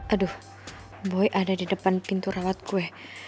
aduh boy ada di depan pintu rawat kue